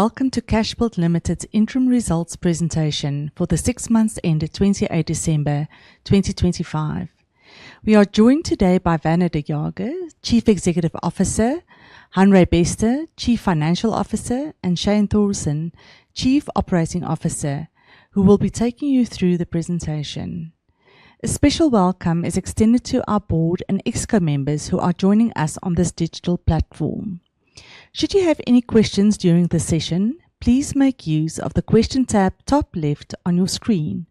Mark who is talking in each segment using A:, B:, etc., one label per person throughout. A: Welcome to Cashbuild Limited's interim results presentation for the six months ended 28 December 2025. We are joined today by Werner de Jager, Chief Executive Officer, Hanré Bester, Chief Financial Officer, and Shane Thoresson, Chief Operating Officer, who will be taking you through the presentation. A special welcome is extended to our board and Exco members who are joining us on this digital platform. Should you have any questions during the session, please make use of the question tab top left on your screen.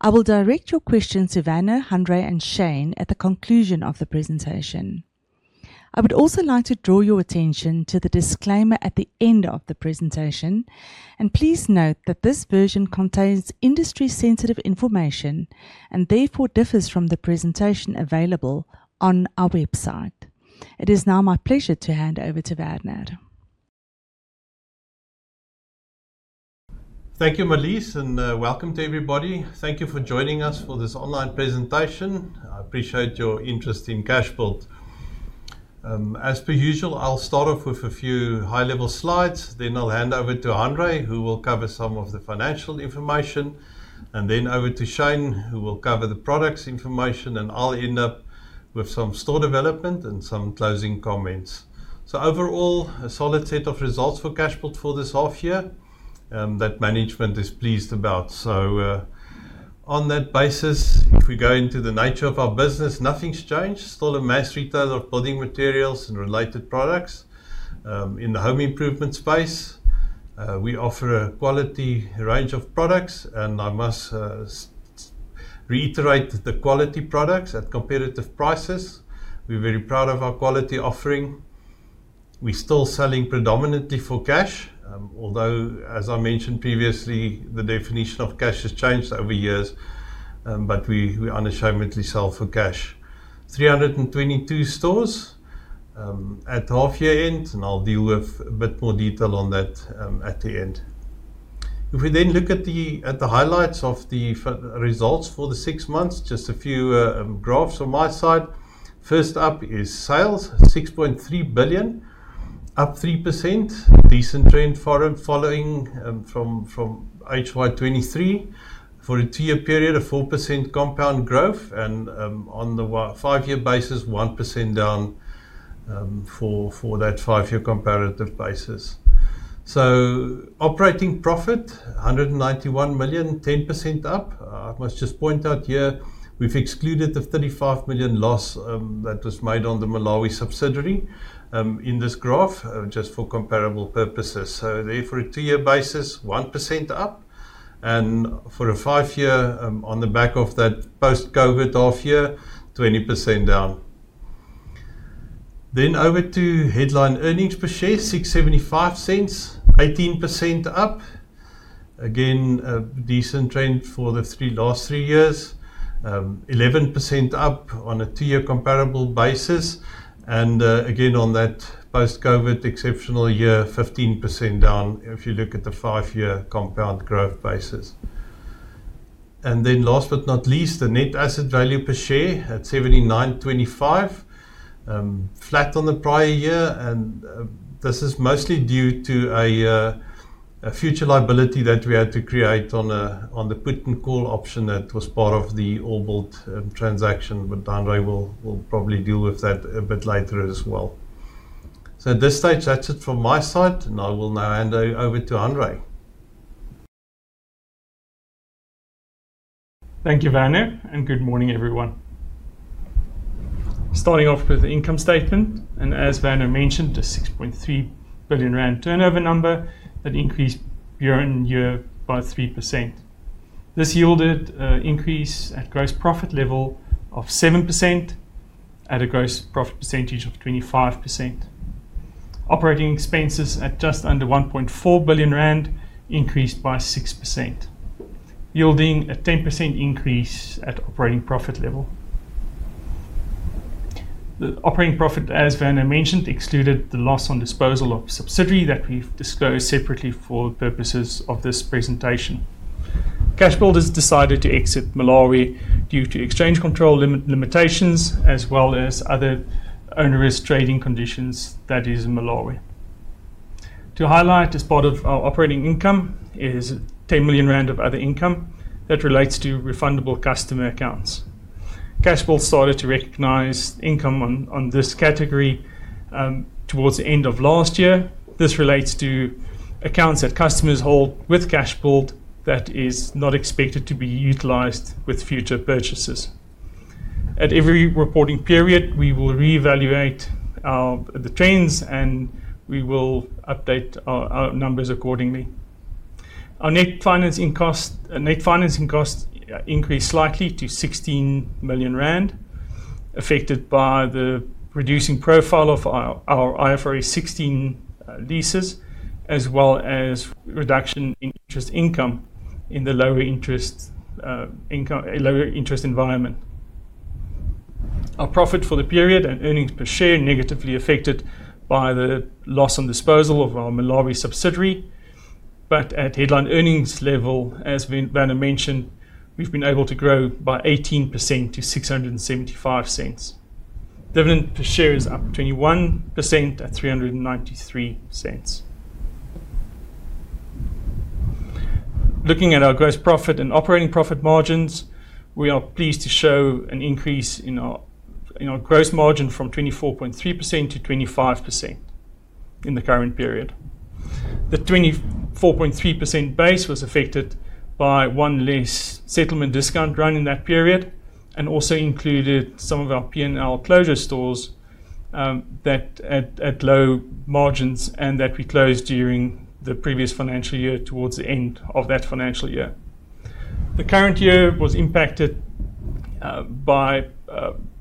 A: I will direct your questions to Werner, Hanré, and Shane at the conclusion of the presentation. I would also like to draw your attention to the disclaimer at the end of the presentation. Please note that this version contains industry sensitive information and therefore differs from the presentation available on our website. It is now my pleasure to hand over to Werner.
B: Thank you, Marliesse, and welcome to everybody. Thank you for joining us for this online presentation. I appreciate your interest in Cashbuild. As per usual, I'll start off with a few high-level slides. I'll hand over to Hanré, who will cover some of the financial information. Over to Shane, who will cover the products information. I'll end up with some store development and some closing comments. Overall, a solid set of results for Cashbuild for this half year that management is pleased about. On that basis, if we go into the nature of our business, nothing's changed. Still a mass retailer of building materials and related products. In the home improvement space, we offer a quality range of products. I must reiterate the quality products at competitive prices. We're very proud of our quality offering. We're still selling predominantly for cash. Although, as I mentioned previously, the definition of cash has changed over years, but we unashamedly sell for cash. 322 stores at half year end, and I'll deal with a bit more detail on that at the end. If we then look at the highlights of the results for the six months, just a few graphs on my side. First up is sales, 6.3 billion, up 3%. Decent trend following from HY 2023. For a two-year period, a 4% compound growth and on the five-year basis, 1% down for that five-year comparative basis. Operating profit, 191 million, 10% up. I must just point out here, we've excluded the 35 million loss that was made on the Malawi subsidiary in this graph just for comparable purposes. Therefore, on a two-year basis, 1% up. For a five-year, on the back of that post-COVID half year, 20% down. Over to headline earnings per share, 6.75, 18% up. Again, a decent trend for the last three years. 11% up on a two-year comparable basis. Again, on that post-COVID exceptional year, 15% down if you look at the five-year compound growth basis. Last but not least, the net asset value per share at 79.25. Flat on the prior year. This is mostly due to a future liability that we had to create on the put and call option that was part of the Allbuildco transaction. Hanré will probably deal with that a bit later as well. At this stage, that's it from my side, and I will now hand over to Hanré.
C: Thank you, Werner, and good morning, everyone. Starting off with the income statement, and as Werner mentioned, a 6.3 billion rand turnover number that increased year-on-year by 3%. This yielded a increase at gross profit level of 7% at a gross profit percentage of 25%. Operating expenses at just under 1.4 billion rand increased by 6%, yielding a 10% increase at operating profit level. The operating profit, as Werner mentioned, excluded the loss on disposal of a subsidiary that we've disclosed separately for purposes of this presentation. Cashbuild has decided to exit Malawi due to exchange control limitations as well as other onerous trading conditions that is in Malawi. To highlight as part of our operating income is 10 million rand of other income that relates to refundable customer accounts. Cashbuild started to recognize income on this category towards the end of last year. This relates to accounts that customers hold with Cashbuild that is not expected to be utilized with future purchases. At every reporting period, we will reevaluate the trends, and we will update our numbers accordingly. Our net financing costs increased slightly to 16 million rand, affected by the reducing profile of our IFRS 16 leases, as well as reduction in interest income in the lower interest environment. Our profit for the period and earnings per share negatively affected by the loss on disposal of our Malawi subsidiary. At headline earnings level, as Werner mentioned, we've been able to grow by 18% to 6.75. Dividend per share is up 21% at 3.93. Looking at our gross profit and operating profit margins, we are pleased to show an increase in our gross margin from 24.3% to 25% in the current period. The 24.3% base was affected by one less settlement discount run in that period and also included some of our P&L closure stores, that at low margins and that we closed during the previous financial year towards the end of that financial year. The current year was impacted by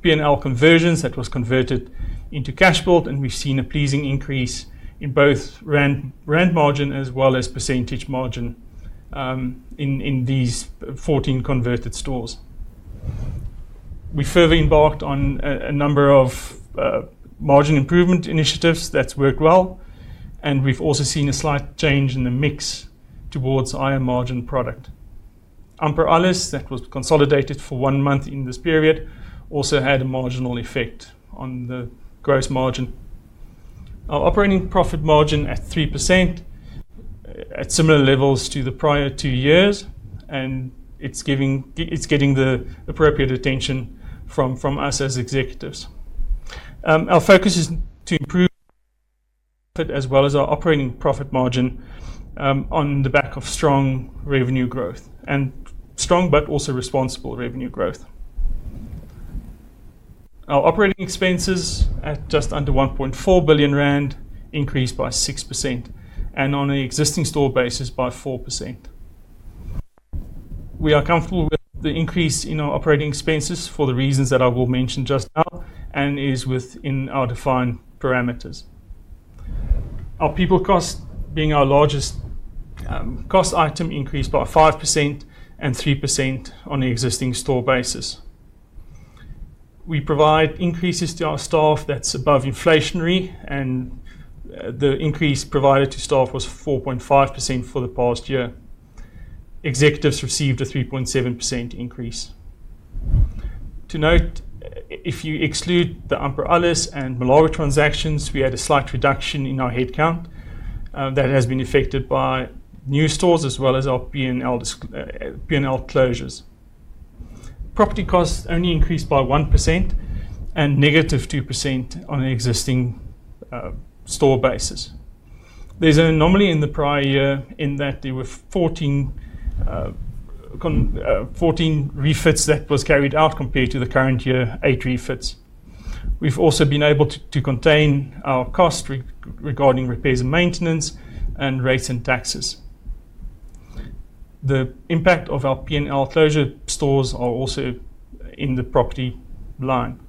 C: P&L conversions that was converted into Cashbuild, and we've seen a pleasing increase in both rand margin as well as percentage margin, in these 14 converted stores. We further embarked on a number of margin improvement initiatives that's worked well, and we've also seen a slight change in the mix towards higher margin product. Amper Alles, that was consolidated for one month in this period, also had a marginal effect on the gross margin. Our operating profit margin at 3% at similar levels to the prior two years, and it's getting the appropriate attention from us as executives. Our focus is to improve as well as our operating profit margin on the back of strong revenue growth, and strong but also responsible revenue growth. Our operating expenses at just under 1.4 billion rand increased by 6%, and on an existing store basis by 4%. We are comfortable with the increase in our operating expenses for the reasons that I will mention just now and is within our defined parameters. Our people cost, being our largest cost item, increased by 5% and 3% on the existing store basis. We provide increases to our staff that's above inflationary and the increase provided to staff was 4.5% for the past year. Executives received a 3.7% increase. To note, if you exclude the Amper Alles and Malawi transactions, we had a slight reduction in our headcount that has been affected by new stores as well as our P&L closures. Property costs only increased by 1% and -2% on an existing store basis. There's an anomaly in the prior year in that there were 14 refits that was carried out compared to the current year, 8 refits. We've also been able to contain our cost regarding repairs and maintenance and rates and taxes. The impact of our P&L closure stores are also in the property line.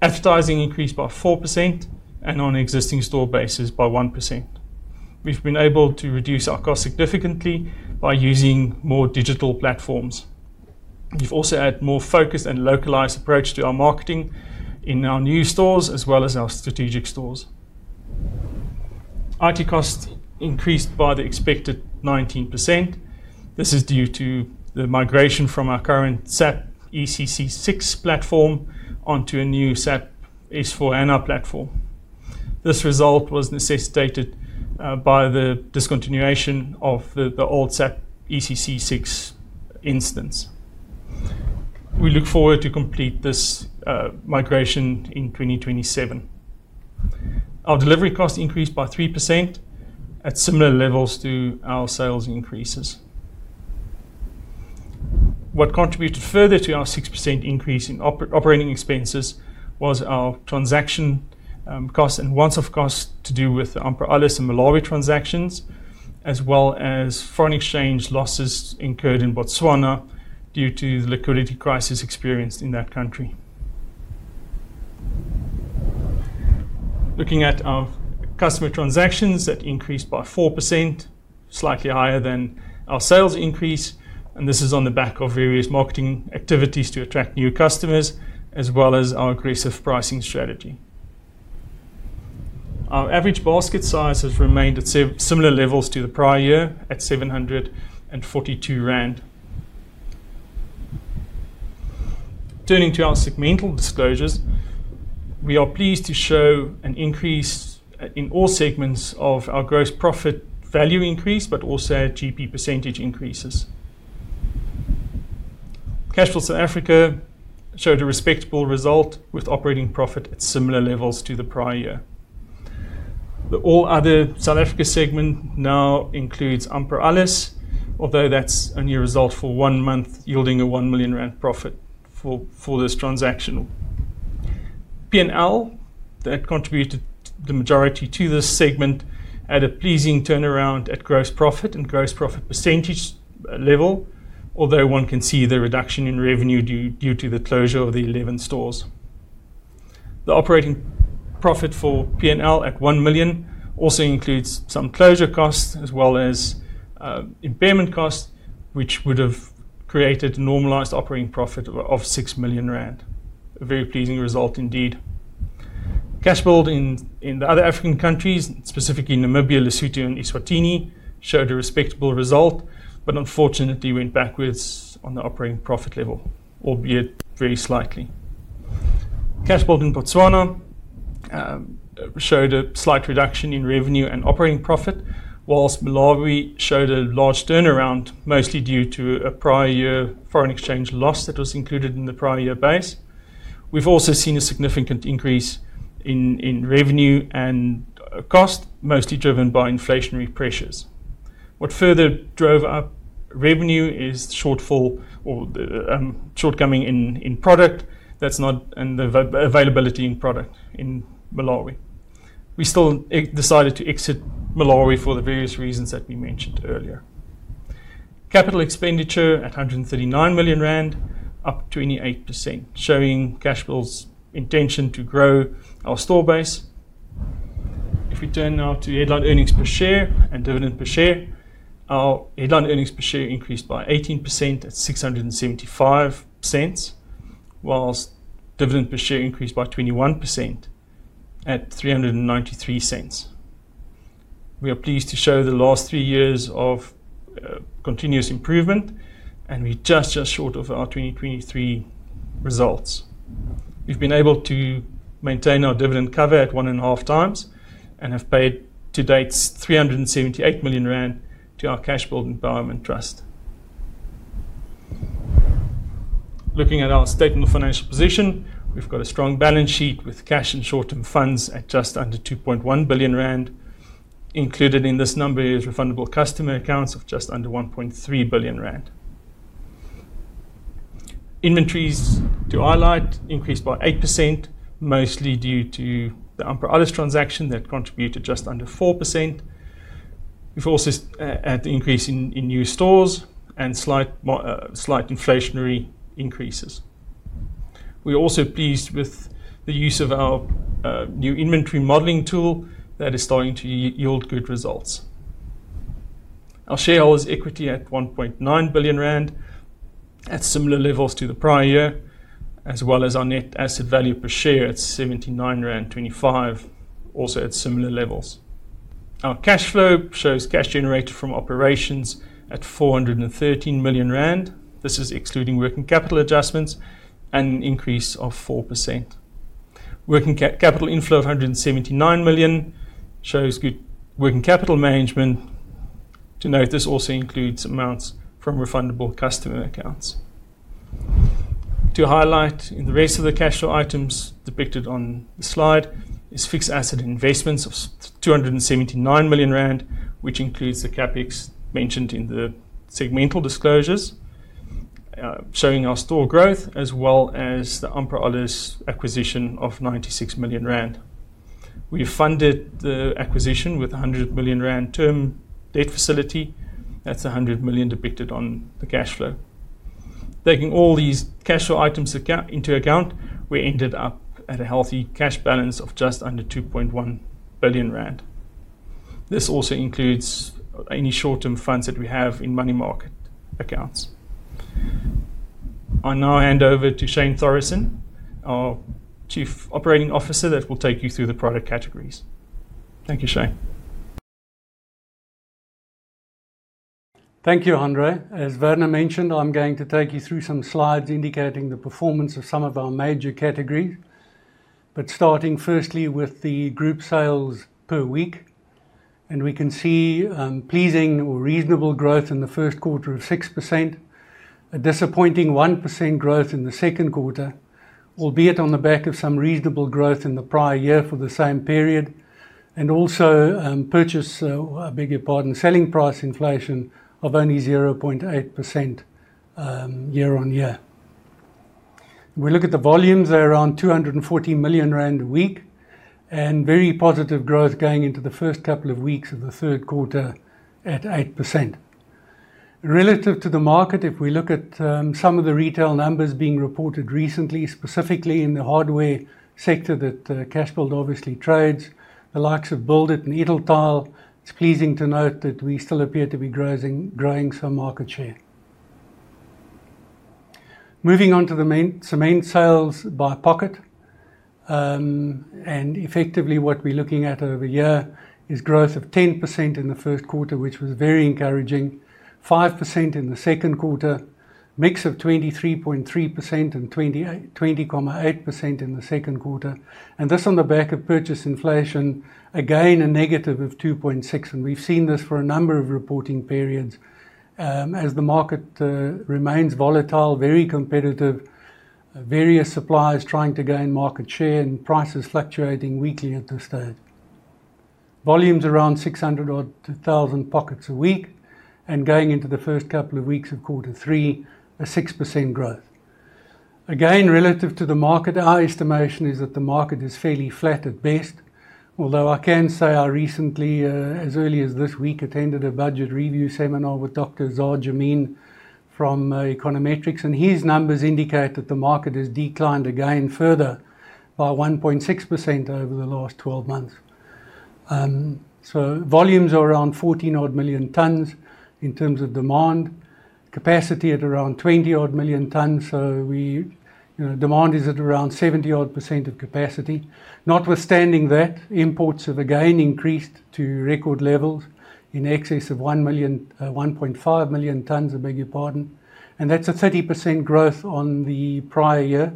C: Advertising increased by 4% and on existing store bases by 1%. We've been able to reduce our cost significantly by using more digital platforms. We've also had more focused and localized approach to our marketing in our new stores as well as our strategic stores. IT costs increased by the expected 19%. This is due to the migration from our current SAP ECC 6.0 platform onto a new SAP S/4HANA platform. This result was necessitated by the discontinuation of the old SAP ECC 6.0 instance. We look forward to complete this migration in 2027. Our delivery cost increased by 3% at similar levels to our sales increases. What contributed further to our 6% increase in operating expenses was our transaction costs and once-off costs to do with Amper Alles and Malawi transactions, as well as foreign exchange losses incurred in Botswana due to the liquidity crisis experienced in that country. Looking at our customer transactions, that increased by 4%, slightly higher than our sales increase, and this is on the back of various marketing activities to attract new customers as well as our aggressive pricing strategy. Our average basket size has remained at similar levels to the prior year at 742 rand. Turning to our segmental disclosures, we are pleased to show an increase in all segments of our gross profit value increase, but also our GP percentage increases. Cashbuild South Africa showed a respectable result with operating profit at similar levels to the prior year. The All Other South Africa segment now includes Amper Alles, although that's only a result for one month, yielding a 1 million rand profit for this transaction. P&L, that contributed the majority to this segment, had a pleasing turnaround at gross profit and gross profit percentage level, although one can see the reduction in revenue due to the closure of the 11 stores. The operating profit for P&L at 1 million also includes some closure costs as well as impairment costs, which would have created normalized operating profit of 6 million rand. A very pleasing result indeed. Cashbuild in the other African countries, specifically Namibia, Lesotho, and Eswatini, showed a respectable result, but unfortunately went backwards on the operating profit level, albeit very slightly. Cashbuild in Botswana showed a slight reduction in revenue and operating profit, while Malawi showed a large turnaround, mostly due to a prior year foreign exchange loss that was included in the prior year base. We've also seen a significant increase in revenue and cost, mostly driven by inflationary pressures. What further drove up revenue is the shortfall in the availability of product in Malawi. We still decided to exit Malawi for the various reasons that we mentioned earlier. Capital expenditure at 139 million rand, up 28%, showing Cashbuild's intention to grow our store base. If we turn now to headline earnings per share and dividend per share, our headline earnings per share increased by 18% at 6.75, while dividend per share increased by 21% at 3.93. We are pleased to show the last 3 years of continuous improvement, and we're just short of our 2023 results. We've been able to maintain our dividend cover at 1.5 times and have paid to date 378 million rand to our Cashbuild Empowerment Trust. Looking at our statement of financial position, we've got a strong balance sheet with cash and short-term funds at just under 2.1 billion rand. Included in this number is refundable customer accounts of just under 1.3 billion rand. Inventories, to highlight, increased by 8%, mostly due to the Amper Alles transaction that contributed just under 4%. We've also an increase in new stores and slight inflationary increases. We're also pleased with the use of our new inventory modeling tool that is starting to yield good results. Our shareholders' equity at 1.9 billion rand, at similar levels to the prior year, as well as our net asset value per share at 79.25 rand, also at similar levels. Our cash flow shows cash generated from operations at 413 million rand. This is excluding working capital adjustments and an increase of 4%. Working capital inflow of 179 million shows good working capital management. To note, this also includes amounts from refundable customer accounts. To highlight, in the rest of the cash flow items depicted on the slide is fixed asset investments of 279 million rand, which includes the CapEx mentioned in the segmental disclosures, showing our store growth as well as the Amper Alles acquisition of 96 million rand. We funded the acquisition with a 100 million rand term debt facility. That's the 100 million depicted on the cash flow. Taking all these cash flow items into account, we ended up at a healthy cash balance of just under 2.1 billion rand. This also includes any short-term funds that we have in money market accounts. I now hand over to Shane Thoresson, our Chief Operating Officer, that will take you through the product categories. Thank you, Shane.
D: Thank you, Hanré. As Werner mentioned, I'm going to take you through some slides indicating the performance of some of our major categories. Starting firstly with the group sales per week, and we can see pleasing or reasonable growth in the first quarter of 6%. A disappointing 1% growth in the second quarter, albeit on the back of some reasonable growth in the prior year for the same period. Also, selling price inflation of only 0.8%, year-on-year. We look at the volumes, they're around 240 million rand a week, and very positive growth going into the first couple of weeks of the third quarter at 8%. Relative to the market, if we look at some of the retail numbers being reported recently, specifically in the hardware sector that Cashbuild obviously trades, the likes of Build It and Italtile, it's pleasing to note that we still appear to be growing some market share. Moving on to the cement sales by product, and effectively what we're looking at year-over-year is growth of 10% in the first quarter, which was very encouraging. 5% in the second quarter. Mix of 23.3% and 20.8% in the second quarter. This on the back of purchase inflation, again, a negative of 2.6, and we've seen this for a number of reporting periods, as the market remains volatile, very competitive, various suppliers trying to gain market share and prices fluctuating weekly at this stage. Volumes around 600,000 pockets a week, and going into the first couple of weeks of quarter three, a 6% growth. Again, relative to the market, our estimation is that the market is fairly flat at best. Although I can say I recently, as early as this week, attended a budget review seminar with Dr. Azar Jammine from Econometrix, and his numbers indicate that the market has declined again further by 1.6% over the last 12 months. Volumes are around 14-odd million tons in terms of demand. Capacity at around 20-odd million tons. We, you know, demand is at around 70-odd% of capacity. Notwithstanding that, imports have again increased to record levels in excess of 1 million, 1.5 million tons, I beg your pardon, and that's a 30% growth on the prior year.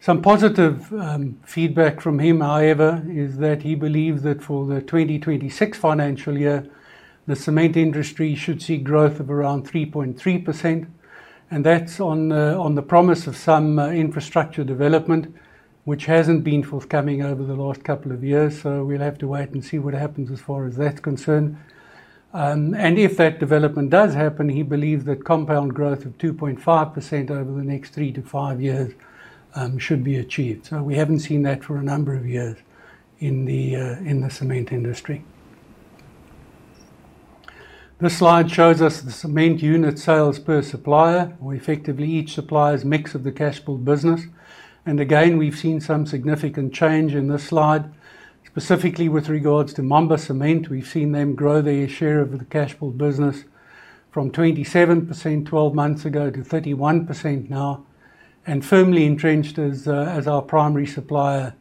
D: Some positive feedback from him, however, is that he believes that for the 2026 financial year, the cement industry should see growth of around 3.3%, and that's on the promise of some infrastructure development, which hasn't been forthcoming over the last couple of years, so we'll have to wait and see what happens as far as that's concerned. If that development does happen, he believes that compound growth of 2.5% over the next 3-5 years should be achieved. We haven't seen that for a number of years in the cement industry. This slide shows us the cement unit sales per supplier, or effectively, each supplier's mix of the Cashbuild business. We've seen some significant change in this slide, specifically with regards to Mamba Cement. We've seen them grow their share of the Cashbuild business from 27% twelve months ago to 31% now, and firmly entrenched as our primary supplier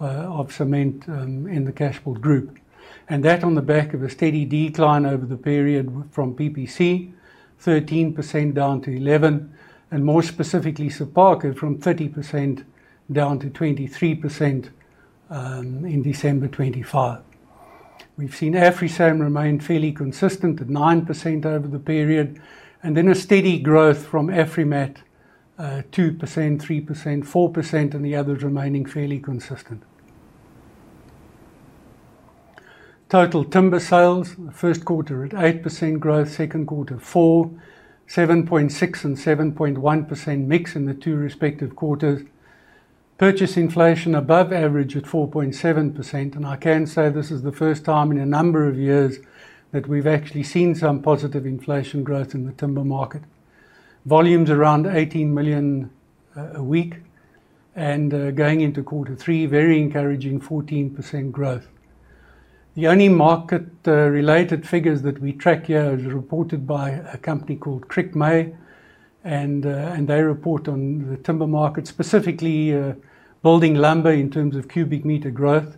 D: of cement in the Cashbuild group. That on the back of a steady decline over the period from PPC, 13% down to 11%, and more specifically Sephaku from 30% down to 23% in December 2025. We've seen AfriSam remain fairly consistent at 9% over the period, and then a steady growth from Afrimat, 2%, 3%, 4%, and the others remaining fairly consistent. Total timber sales, first quarter at 8% growth, second quarter 4%, 7.6% and 7.1% mix in the two respective quarters. Purchase inflation above average at 4.7%, and I can say this is the first time in a number of years that we've actually seen some positive inflation growth in the timber market. Volumes around 18 million a week and, going into quarter three, very encouraging 14% growth. The only market related figures that we track here is reported by a company called Crickmay and they report on the timber market, specifically, building lumber in terms of cubic meter growth.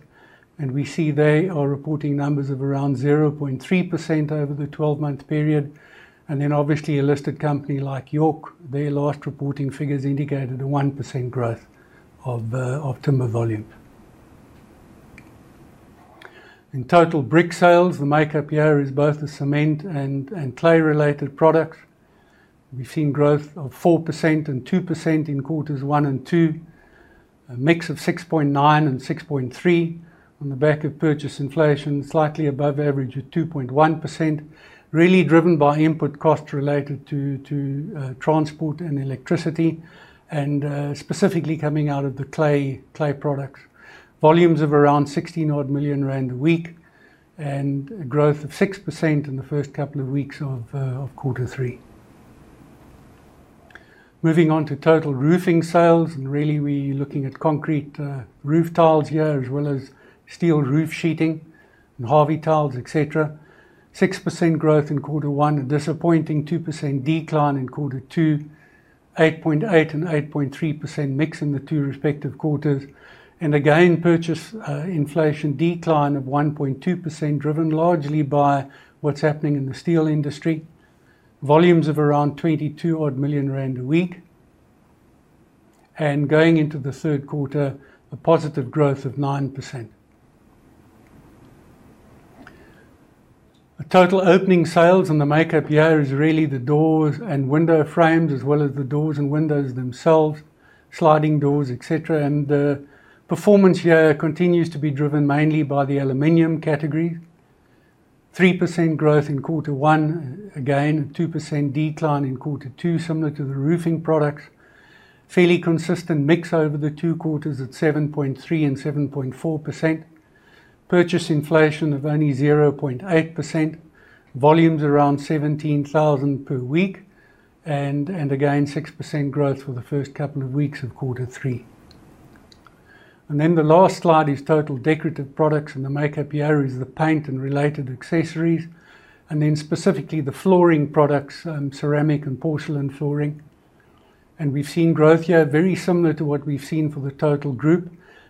D: We see they are reporting numbers of around 0.3% over the 12-month period. Then obviously a listed company like York, their last reporting figures indicated a 1% growth of timber volume. In total brick sales, the makeup here is both the cement and clay-related products. We've seen growth of 4% and 2% in quarters one and two. A mix of 6.9 and 6.3 on the back of price inflation, slightly above average at 2.1%, really driven by input costs related to transport and electricity, and specifically coming out of the clay products. Volumes of around 16 million rand a week and growth of 6% in the first couple of weeks of quarter three. Moving on to total roofing sales, and really we're looking at concrete roof tiles here, as well as steel roof sheeting and Harvey Tiles, etc. 6% growth in quarter one. A disappointing 2% decline in quarter two. 8.8% and 8.3% mix in the two respective quarters. Again, purchase inflation decline of 1.2%, driven largely by what's happening in the steel industry. Volumes of around 22 odd million rand a week. Going into the third quarter, a positive growth of 9%. The total opening sales and the makeup here is really the doors and window frames, as well as the doors and windows themselves, sliding doors, etc. The performance here continues to be driven mainly by the aluminum category. 3% growth in quarter one. Again, 2% decline in quarter two, similar to the roofing products. Fairly consistent mix over the two quarters at 7.3% and 7.4%. Purchase inflation of only 0.8%. Volumes around 17,000 per week. Again, 6% growth for the first couple of weeks of quarter three. The last slide is total decorative products, and the makeup here is the paint and related accessories, and then specifically the flooring products, ceramic and porcelain flooring. We've seen growth here very similar to what we've seen for the total group.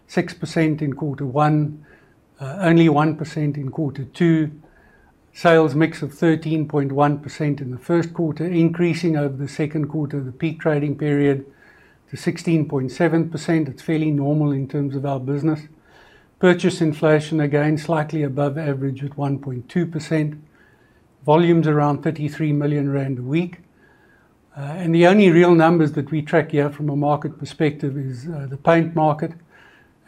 D: 6% in quarter one. Only 1% in quarter two. Sales mix of 13.1% in the first quarter, increasing over the second quarter, the peak trading period, to 16.7%. It's fairly normal in terms of our business. Purchase inflation, again, slightly above average at 1.2%. Volumes around 33 million rand a week. The only real numbers that we track here from a market perspective is the paint market.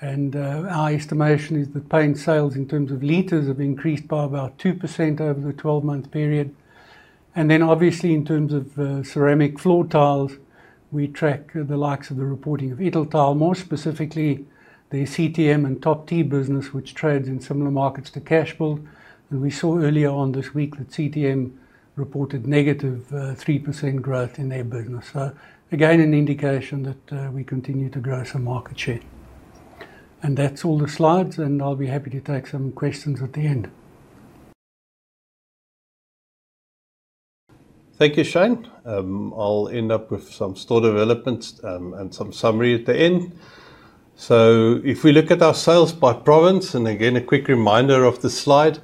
D: Our estimation is that paint sales in terms of liters have increased by about 2% over the twelve-month period. Then obviously in terms of ceramic floor tiles, we track the likes of the reporting of Italtile, more specifically their CTM and TopT business, which trades in similar markets to Cashbuild. We saw earlier on this week that CTM reported negative 3% growth in their business. Again, an indication that we continue to grow some market share. That's all the slides, and I'll be happy to take some questions at the end.
B: Thank you, Shane. I'll end up with some store developments, and some summary at the end. If we look at our sales by province, and again, a quick reminder of the slide,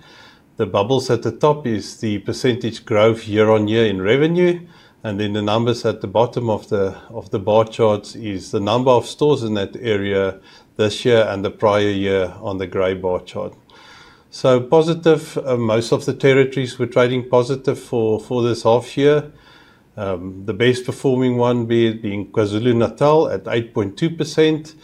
B: the bubbles at the top is the percentage growth year-on-year in revenue. Then the numbers at the bottom of the bar charts is the number of stores in that area this year and the prior year on the gray bar chart. Positive, most of the territories were trading positive for this half year. The best performing one being KwaZulu-Natal at 8.2%,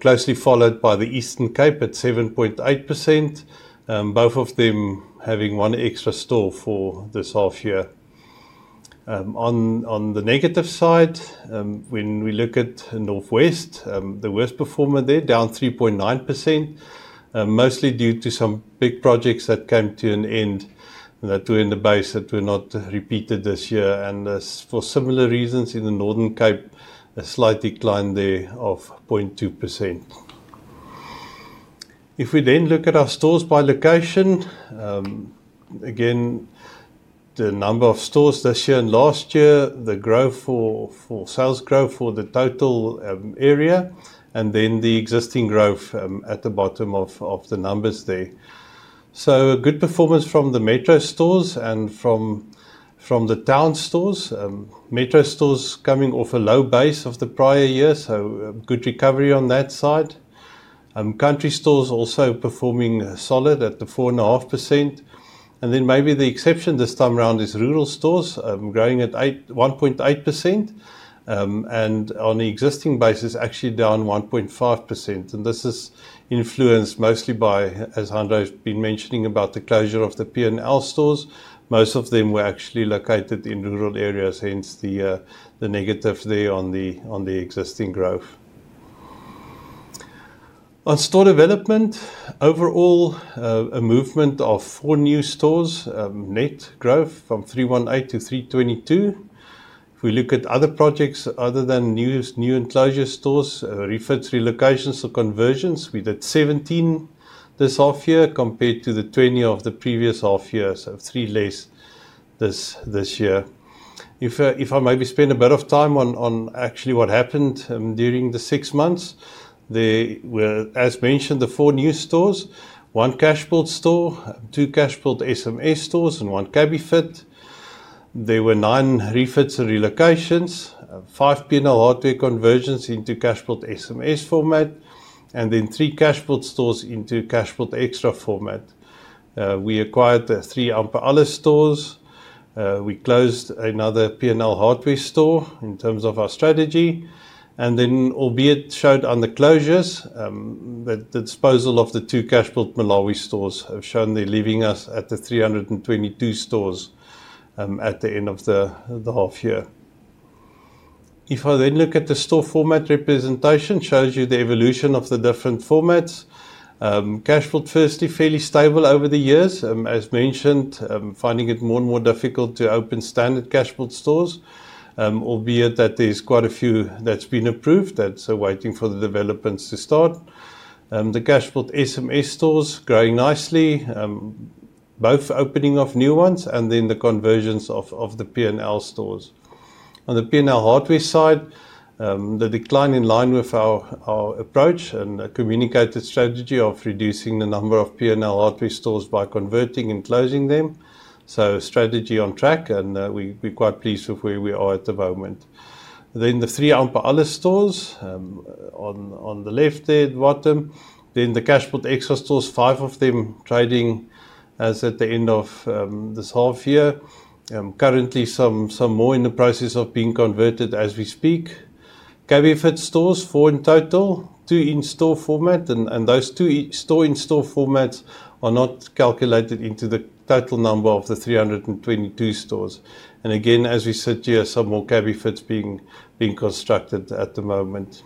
B: closely followed by the Eastern Cape at 7.8%. Both of them having one extra store for this half year. On the negative side, when we look at North West, the worst performer there, down 3.9%, mostly due to some big projects that came to an end that were in the base that were not repeated this year. As for similar reasons in the Northern Cape, a slight decline there of 0.2%. If we then look at our stores by location, again, the number of stores this year and last year, the growth for sales growth for the total area, and then the existing growth at the bottom of the numbers there. A good performance from the Metro stores and from the town stores. Metro stores coming off a low base of the prior year, a good recovery on that side. Country stores also performing solid at 4.5%. Then maybe the exception this time around is rural stores, growing at 1.8%, and on the existing basis, actually down 1.5%. This is influenced mostly by, as Hanré has been mentioning, about the closure of the P&L stores. Most of them were actually located in rural areas, hence the negative there on the existing growth. On store development, overall, a movement of 4 new stores, net growth from 318 to 322. If we look at other projects other than new and closure stores, refits, relocations or conversions, we did 17 this half year compared to the 20 of the previous half year, so 3 less this year. If I maybe spend a bit of time on actually what happened during the six months, there were, as mentioned, the 4 new stores. 1 Cashbuild store, 2 Cashbuild SMS stores, and 1 Cabifit. There were 9 refits and relocations, 5 P&L Hardware conversions into Cashbuild SMS format, and then 3 Cashbuild stores into Cashbuild Xtra format. We acquired the 3 Amper Alles stores. We closed another P&L Hardware store in terms of our strategy. Albeit shown on the closures, the disposal of the 2 Cashbuild Malawi stores has left us at the 322 stores at the end of the half year. If I then look at the store format representation, it shows you the evolution of the different formats. Cashbuild, firstly, fairly stable over the years. As mentioned, finding it more and more difficult to open standard Cashbuild stores, albeit that there's quite a few that's been approved, that's waiting for the developments to start. The Cashbuild SMS stores growing nicely, both opening of new ones and then the conversions of the P&L stores. On the P&L Hardware side, the decline in line with our approach and communicated strategy of reducing the number of P&L Hardware stores by converting and closing them. Strategy on track, and we're quite pleased with where we are at the moment. The 3 Amper Alles stores, on the left there at the bottom. The Cashbuild Xtra stores, 5 of them trading as at the end of this half year. Currently some more in the process of being converted as we speak. Cabifit stores, 4 in total, 2 in-store format. Those two store-in-store formats are not calculated into the total number of the 322 stores. Again, as we sit here, some more Cabifits being constructed at the moment.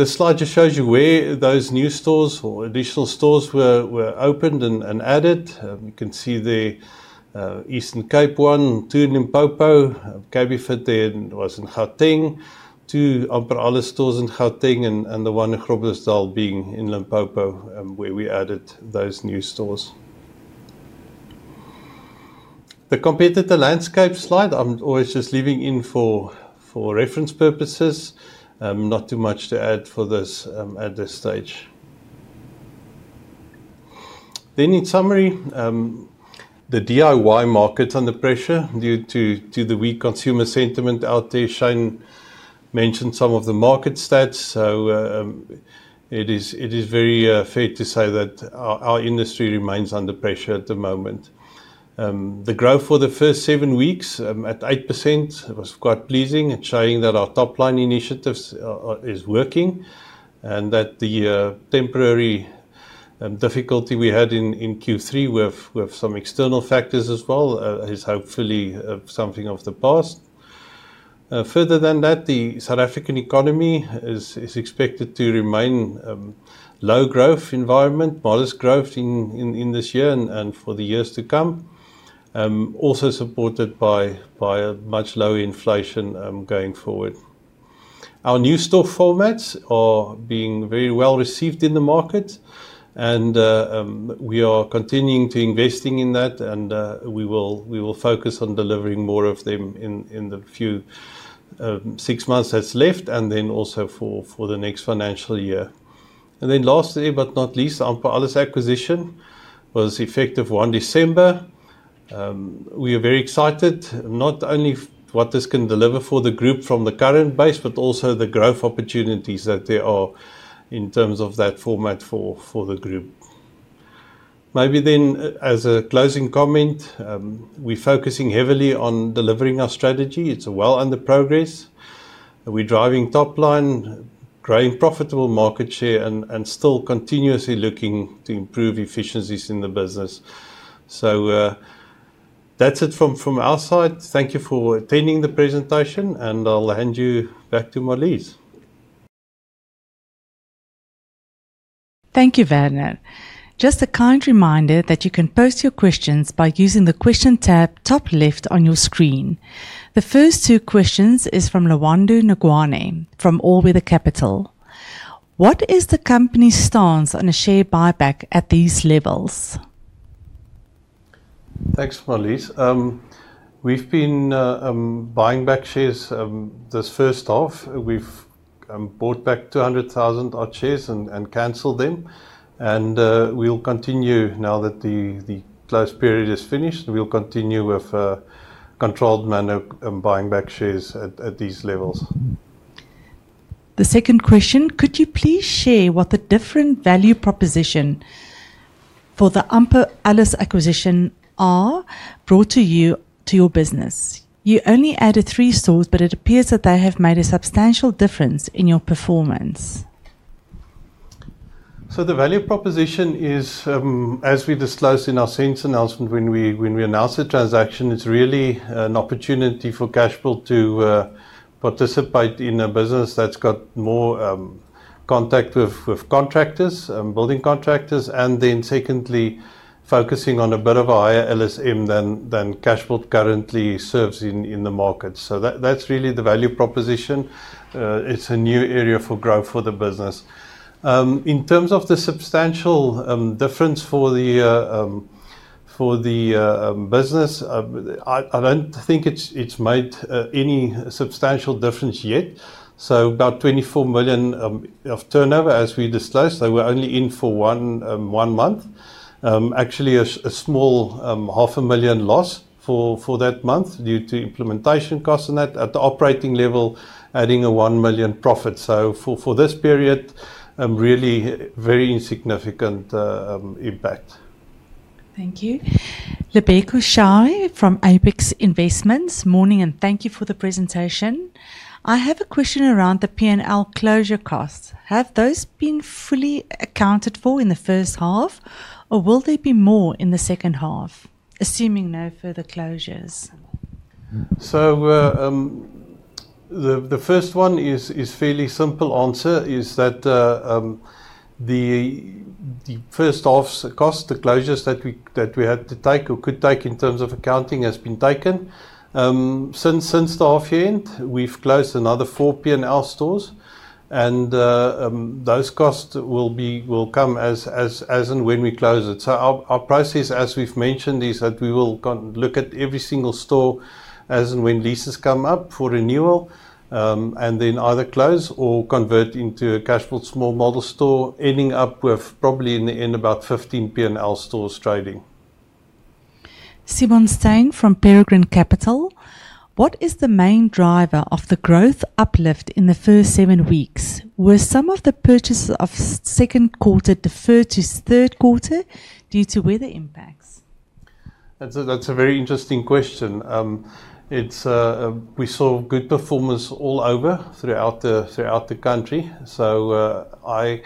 B: This slide just shows you where those new stores or additional stores were opened and added. You can see there, one in Eastern Cape, two in Limpopo. Cabifit there was in Gauteng. Two Amper Alles stores in Gauteng and the one in Groblersdal being in Limpopo, where we added those new stores. The competitor landscape slide, I'm always just leaving in for reference purposes. Not too much to add for this at this stage. In summary, the DIY market under pressure due to the weak consumer sentiment out there. Shane mentioned some of the market stats. It is very fair to say that our industry remains under pressure at the moment. The growth for the first seven weeks at 8% was quite pleasing and showing that our top-line initiatives is working and that the temporary difficulty we had in Q3 with some external factors as well is hopefully something of the past. Further than that, the South African economy is expected to remain low growth environment, modest growth in this year and for the years to come. Also supported by a much lower inflation going forward. Our new store formats are being very well received in the market and we are continuing to invest in that and we will focus on delivering more of them in the next six months that's left and then also for the next financial year. Lastly but not least, Amper Alles acquisition was effective 1 December. We are very excited not only what this can deliver for the group from the current base, but also the growth opportunities that there are in terms of that format for the group. Maybe then as a closing comment, we're focusing heavily on delivering our strategy. It's well in progress. We're driving top line, growing profitable market share and still continuously looking to improve efficiencies in the business. That's it from our side. Thank you for attending the presentation, and I'll hand you back to Marliesse.
A: Thank you, Werner. Just a kind reminder that you can post your questions by using the Question tab, top left on your screen. The first two questions is from Lwando Ngwane from All Weather Capital. What is the company's stance on a share buyback at these levels?
B: Thanks, Marliesse. We've been buying back shares this first half. We've bought back 200,000-odd shares and canceled them, and we'll continue now that the closed period is finished. We'll continue with a controlled manner buying back shares at these levels.
A: The second question, could you please share what the different value proposition for the Amper Alles acquisition are brought to you to your business? You only added 3 stores, but it appears that they have made a substantial difference in your performance.
B: The value proposition is, as we disclosed in our SENS announcement when we announced the transaction, it's really an opportunity for Cashbuild to participate in a business that's got more contact with contractors, building contractors, and then secondly, focusing on a bit of a higher LSM than Cashbuild currently serves in the market. That's really the value proposition. It's a new area for growth for the business. In terms of the substantial difference for the business, I don't think it's made any substantial difference yet. About 24 million of turnover as we disclosed. They were only in for one month. Actually a small half a million ZAR loss for that month due to implementation costs and that. At the operating level, adding a 1 million profit. For this period, really very insignificant impact.
A: Thank you. Lebeko Shai from Abax Investments. Morning, and thank you for the presentation. I have a question around the P&L closure costs. Have those been fully accounted for in the first half, or will there be more in the second half, assuming no further closures?
B: The first one is fairly simple answer, is that the first half's cost, the closures that we had to take or could take in terms of accounting has been taken. Since the half end, we've closed another four P&L stores and those costs will come as and when we close it. Our process, as we've mentioned, is that we will look at every single store as and when leases come up for renewal, and then either close or convert into a Cashbuild Small Model store, ending up with probably in the end about 15 P&L stores trading.
A: Simon Steyn from Peregrine Capital. What is the main driver of the growth uplift in the first seven weeks? Were some of the purchases of second quarter deferred to third quarter due to weather impacts?
B: That's a very interesting question. We saw good performance all over the country. I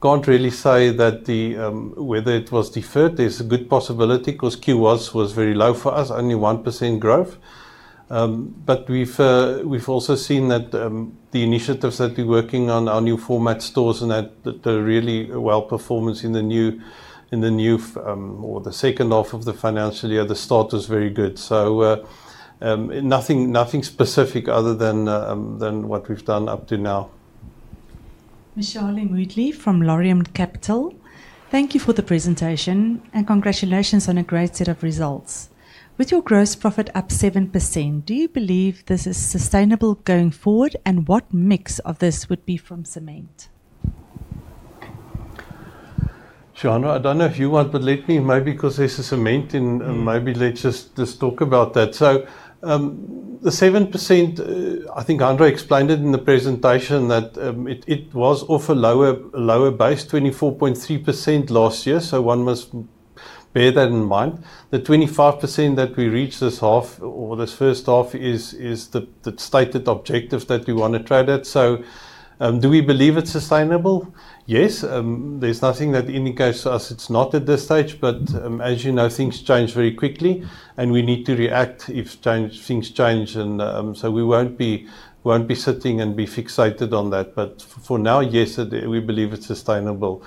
B: can't really say that the whether it was deferred. There's a good possibility 'cause Q1 was very low for us, only 1% growth. We've also seen that the initiatives that we're working on our new format stores and that they're really well performance in the new, in the new or the second half of the financial year, the start was very good. Nothing specific other than than what we've done up to now.
A: Michelle Wheatley from Laurium Capital. Thank you for the presentation and congratulations on a great set of results. With your gross profit up 7%, do you believe this is sustainable going forward? What mix of this would be from cement?
B: Shane Thoresson, I don't know if you want, but let me maybe.
D: Mm.
B: Maybe let's just talk about that. The 7%, I think Hanré explained it in the presentation that it was off a lower base, 24.3% last year, so one must bear that in mind. The 25% that we reached this half or this first half is the stated objective that we wanna trade at. Do we believe it's sustainable? Yes. There's nothing that indicates to us it's not at this stage, but as you know, things change very quickly and we need to react if things change and we won't be sitting and be fixated on that. But for now, yes, we believe it's sustainable.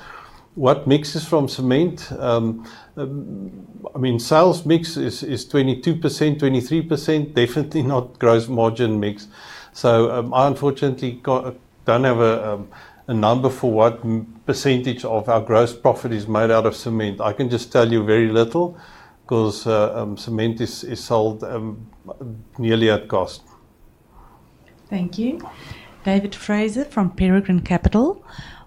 B: What mix is from cement? I mean, sales mix is 22%, 23%, definitely not gross margin mix. I unfortunately don't have a number for what percentage of our gross profit is made out of cement. I can just tell you very little 'cause cement is sold nearly at cost.
A: Thank you. David Fraser from Peregrine Capital.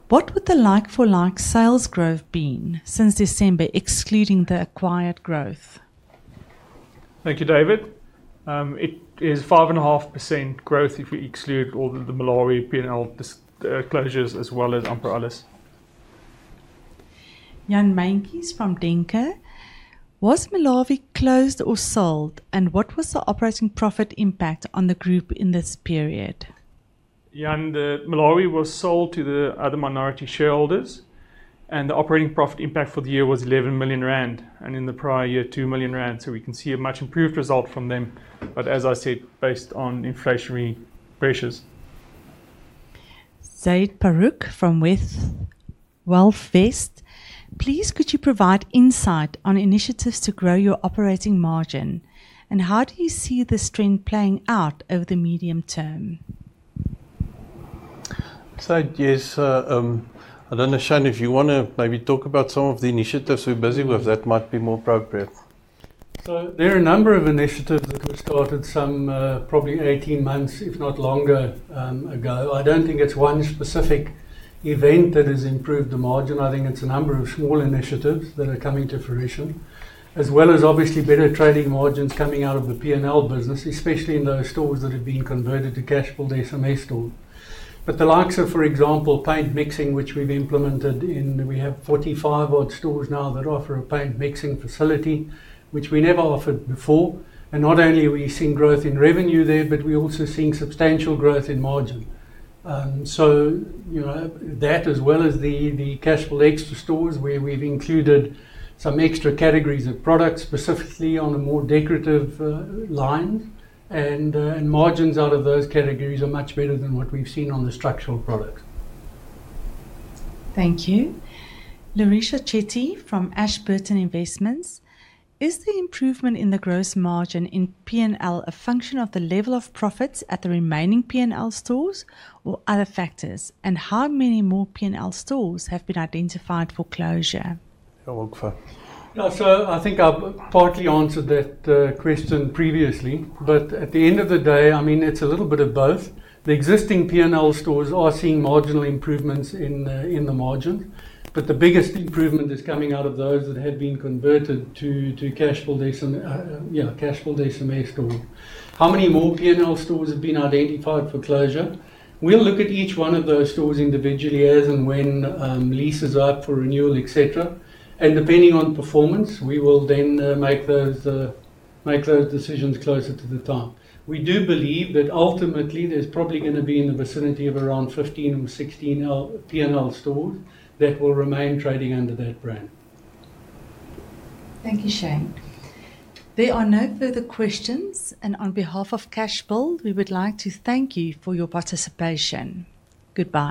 A: What would the like-for-like sales growth been since December, excluding the acquired growth?
C: Thank you, David. It is 5.5% growth if we exclude all the Malawi, P&L closures as well as Amper Alles.
A: Jan Meintjes from Denker. Was Malawi closed or sold, and what was the operating profit impact on the group in this period?
C: Jan, Cashbuild Malawi was sold to the other minority shareholders, and the operating profit impact for the year was 11 million rand, and in the prior year, 2 million rand. We can see a much improved result from them, but as I said, based on inflationary pressures.
A: Zaid Paruk from Wealthvest Investment Management. Please could you provide insight on initiatives to grow your operating margin, and how do you see this trend playing out over the medium term?
B: Zaid, yes, I don't know, Shane, if you wanna maybe talk about some of the initiatives we're busy with, that might be more appropriate.
D: There are a number of initiatives that we've started some, probably 18 months, if not longer, ago. I don't think it's one specific event that has improved the margin. I think it's a number of small initiatives that are coming to fruition, as well as obviously better trading margins coming out of the P&L business, especially in those stores that have been converted to Cashbuild SMS store. The likes of, for example, paint mixing, which we've implemented. We have 45 odd stores now that offer a paint mixing facility, which we never offered before. Not only are we seeing growth in revenue there, but we're also seeing substantial growth in margin. You know, that as well as the Cashbuild Xtra stores, where we've included some extra categories of products, specifically on a more decorative line. Margins out of those categories are much better than what we've seen on the structural products.
A: Thank you. Larisha Chetty from Ashburton Investments. Is the improvement in the gross margin in P&L a function of the level of profits at the remaining P&L stores or other factors? How many more P&L stores have been identified for closure?
B: Yeah. Well, fair.
D: Yeah. I think I've partly answered that question previously. At the end of the day, I mean, it's a little bit of both. The existing P&L stores are seeing marginal improvements in the margin. The biggest improvement is coming out of those that have been converted to Cashbuild SMS store. How many more P&L stores have been identified for closure? We'll look at each one of those stores individually as and when leases are up for renewal, et cetera. Depending on performance, we will then make those decisions closer to the time. We do believe that ultimately there's probably gonna be in the vicinity of around 15 or 16 P&L stores that will remain trading under that brand.
A: Thank you, Shane. There are no further questions. On behalf of Cashbuild, we would like to thank you for your participation. Goodbye.